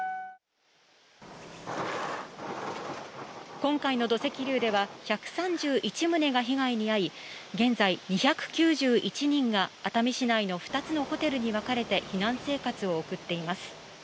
今回の土石流では、１３１棟が被害に遭い、現在２９１人が熱海市内の２つのホテルに分かれて避難生活を送っています。